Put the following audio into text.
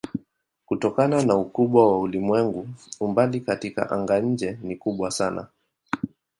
Kutokana na ukubwa wa ulimwengu umbali katika anga-nje ni kubwa sana.